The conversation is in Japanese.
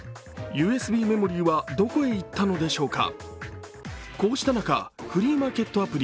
ＵＳＢメモリーはどこへ行ったのでしょうか。